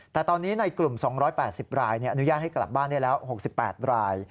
แต่ตอนนี้ในกลุ่ม๒๘๐รายอนุญาตให้กลับบ้านได้แล้ว๖๘ราย